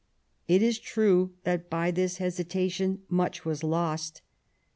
It is true that by this hesitation much was lost.